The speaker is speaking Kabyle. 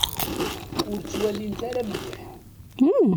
Ur ttwalint ara mliḥ.